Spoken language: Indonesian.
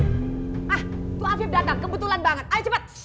tuh afif datang kebetulan banget ayo cepet